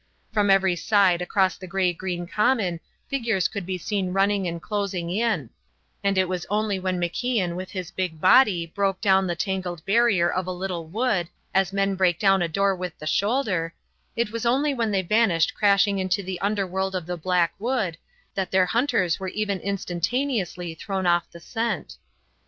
From every side across the grey green common figures could be seen running and closing in; and it was only when MacIan with his big body broke down the tangled barrier of a little wood, as men break down a door with the shoulder; it was only when they vanished crashing into the underworld of the black wood, that their hunters were even instantaneously thrown off the scent.